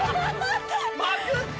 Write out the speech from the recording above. まくった！